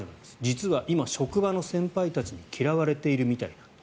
実は今、職場の先輩たちに嫌われているみたいなんだ